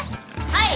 はい。